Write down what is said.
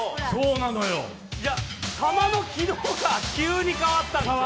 球の軌道が急に変わったんですよ。